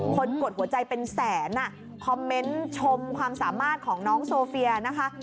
กดหัวใจเป็นแสนคอมเมนต์ชมความสามารถของน้องโซเฟียนะคะ